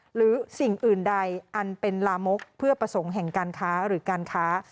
หรือสิ่งอื่นใดอันเป็นลามกเพื่อประสงค์แห่งการค้าหรือการค้า